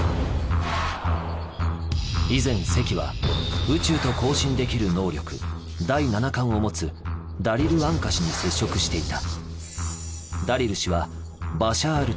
以前関は宇宙と交信できる能力第７感を持つダリル・アンカ氏に接触していた。